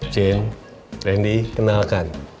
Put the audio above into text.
jane randy kenalkan